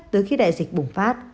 tới khi đại dịch bùng phát